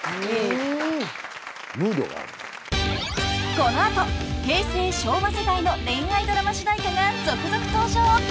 ［この後平成昭和世代の恋愛ドラマ主題歌が続々登場！］